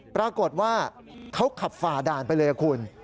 ปรากฏว่าเขาขับฝ่าด่านไปเลยคุณ